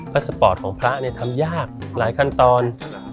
พระสปอร์ตของพระเนี่ยทำยากหลายขั้นตอน